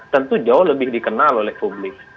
tentu jauh lebih dikenal oleh publik